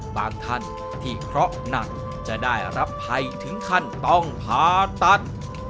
ท่านที่เคราะห์หนักจะได้รับภัยถึงขั้นต้องผ่าตัด